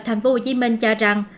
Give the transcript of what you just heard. thành phố hồ chí minh cho rằng